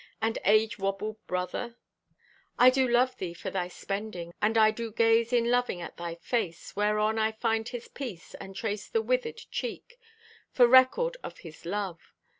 And age wabbled brother— I do love thee for thy spending, And I do gaze in loving at thy face, Whereon I find His peace, And trace the withered cheek For record of His love.